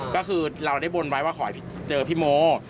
ก็คือเราได้บนไว้ว่าขอเจอพี่โม